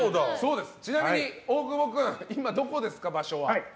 ちなみに大久保君今どこですか、場所は。